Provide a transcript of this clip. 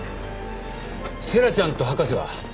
星来ちゃんと博士は？